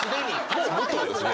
もう武藤ですね